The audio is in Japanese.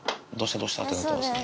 どうした？ってなってますね。